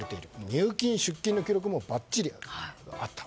入金・出金記録もばっちりあった。